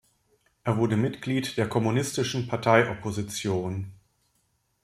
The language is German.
Er wurde Mitglied der Kommunistischen Partei-Opposition.